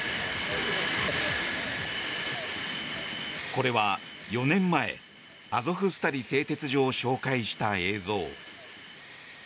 これは４年前アゾフスタリ製鉄所を紹介した映像。